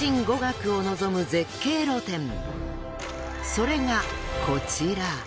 それがこちら。